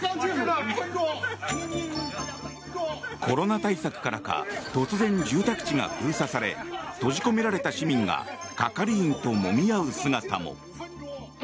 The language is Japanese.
コロナ対策からか突然、住宅地が封鎖され閉じ込められた市民が係員ともみ合う姿も。